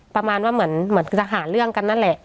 ประมาณว่าเหมือนจะหาเรื่องกันนั่นแหละ